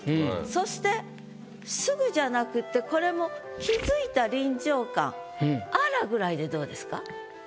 そして「すぐ」じゃなくってこれも「あら」ぐらいでどうですか？